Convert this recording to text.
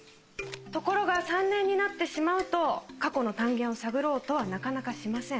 ところが３年になってしまうと過去の単元を探ろうとはなかなかしません。